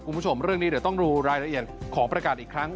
คุณผู้ชมเรื่องนี้เดี๋ยวต้องดูรายละเอียดของประกาศอีกครั้ง